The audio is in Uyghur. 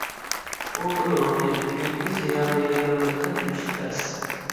بۇ خىل روھنى بۈگۈنكى زىيالىيلىرىمىزدىن تېپىش تەس.